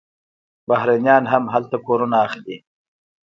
بهرنیان هم هلته کورونه اخلي.